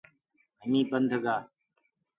همي پنڌ گآ۔